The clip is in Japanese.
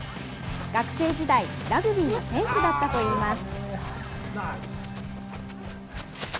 学生時代、ラグビーの選手だったといいます。